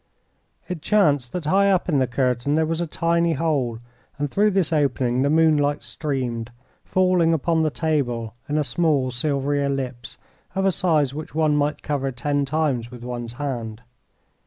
It chanced that high up in the curtain there was a tiny hole, and through this opening the moonlight streamed, falling upon the table in a small, silvery ellipse, of a size which one might cover ten times with one's hand.